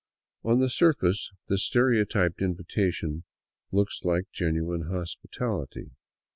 On the surface this stereotyped invitation looks like genuine hospitality.